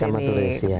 sama turis ya